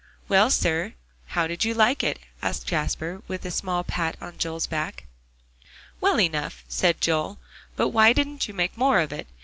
"Well, sir, how did you like it?" asked Jasper, with a small pat on Joel's back. "Well enough," said Joel, "but why didn't you make more of it?